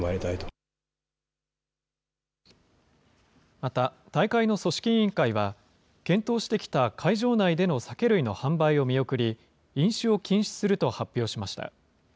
また、大会の組織委員会は、検討してきた会場内での酒類の販売を見送り、飲酒を禁止すると発表しました。